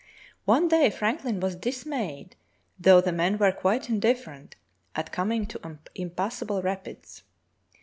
One day Franklin was dismayed, though the men were quite indifferent, at coming to impassable rapids.